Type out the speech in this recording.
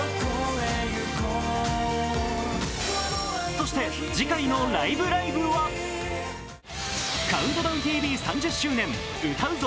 そして、次回の「ライブ！ライブ！」は「ＣＤＴＶ」３０周年、「歌うぞ！